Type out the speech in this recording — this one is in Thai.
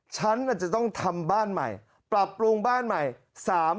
ฉันอาจจะต้องทำบ้านใหม่ปรับปรุงบ้านใหม่